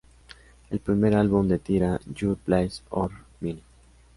El primer álbum de Tira, "Your Place or Mine?